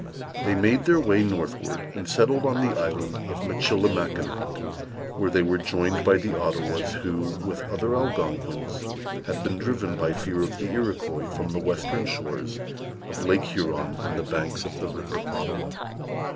They made their way northward, and settled on the Island of Michilimackinac, where they were joined by the Ottawas, who, with other Algonquins, had been driven by fear of the Iroquois from the western shores of Lake Huron and the banks of the River Ottawa.